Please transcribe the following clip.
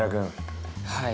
はい。